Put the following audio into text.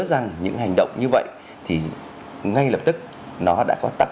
rằng những hành động như vậy thì ngay lập tức nó đã có tác